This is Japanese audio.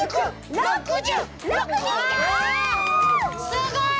すごい！